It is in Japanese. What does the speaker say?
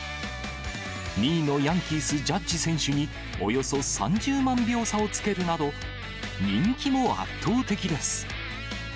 ２位のヤンキース、ジャッジ選手におよそ３０万票差をつけるなど、人気も圧倒的です。